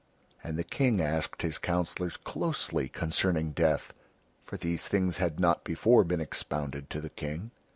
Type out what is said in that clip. And the King asked his councillors closely concerning death, for these things had not before been expounded to the King.